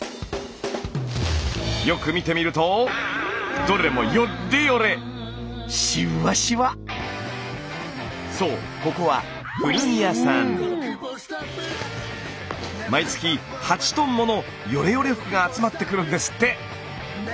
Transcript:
よく見てみるとどれもそうここは毎月８トンものよれよれ服が集まってくるんですって。